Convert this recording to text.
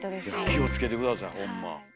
気を付けて下さいほんま。